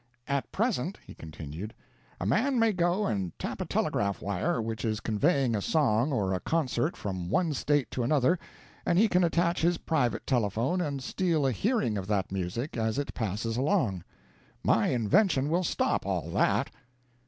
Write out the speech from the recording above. "At present," he continued, "a man may go and tap a telegraph wire which is conveying a song or a concert from one state to another, and he can attach his private telephone and steal a hearing of that music as it passes along. My invention will stop all that."